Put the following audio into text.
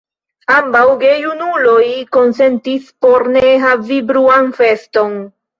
Ambaŭ gejunuloj konsentis por ne havi bruan feston.